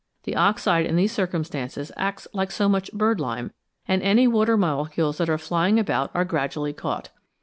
The oxide in these circumstances acts like so much bird lime, and any water molecules that are flying about arc gradually caught.